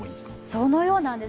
そのようなんです。